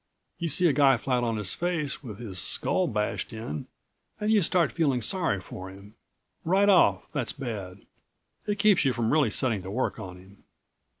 You see a guy flat on his face, with his skull bashed in, and you start feeling sorry for him. Right off, that's bad. It keeps you from really setting to work on him."